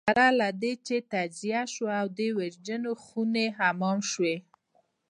سره له دې تجزیه شوه او د ویرجن خوني حمام شوه.